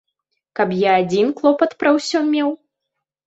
Каб я адзін клопат пра ўсё меў?